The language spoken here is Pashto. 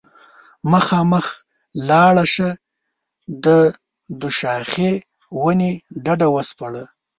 مخامخ لاړه شه د دوشاخې ونې ډډ وسپړه